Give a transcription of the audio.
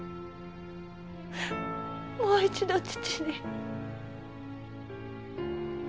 もう一度父に！